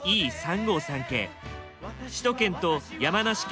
首都圏と山梨県